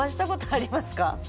あります。